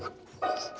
ya ya gak